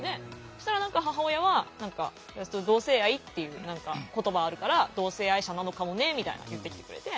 そしたら何か母親は「同性愛っていう言葉あるから同性愛者なのかもね」みたいな言ってきてくれて。